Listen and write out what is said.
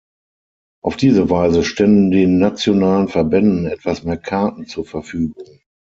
Auf diese Weise ständen den nationalen Verbänden etwas mehr Karten zur Verfügung.